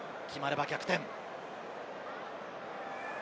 決まれば逆転。